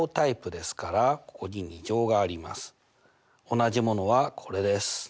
同じものはこれです。